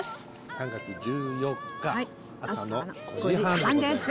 ３月１４日朝の５時半でございます